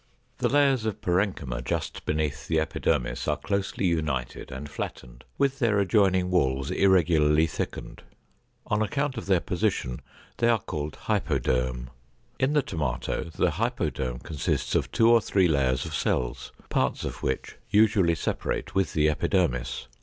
The layers of parenchyma just beneath the epidermis are closely united and flattened, with their adjoining walls irregularly thickened. On account of their position, they are called hypoderm. In the tomato the hypoderm consists of two or three layers of cells, parts of which usually separate with the epidermis.